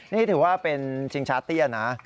นี่ถือว่าเป็นชิงชาเตี้ยนะ